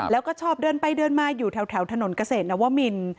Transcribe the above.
แล้วก็ชอบเดินไปเดินมาอยู่แถวถนนเกษตรนวมิน